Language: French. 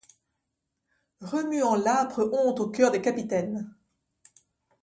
Remuant l'âpre honte au coeur des capitaines